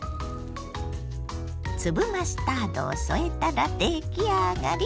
粒マスタードを添えたら出来上がり！